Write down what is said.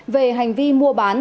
về hành vi mua bán